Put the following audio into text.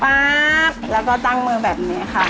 ป๊าบแล้วก็ตั้งมือแบบนี้ค่ะ